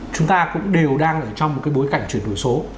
chúng ta cũng đều đang ở trong một cái bối cảnh chuyển đổi số